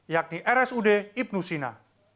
yakni rsud ibnusinik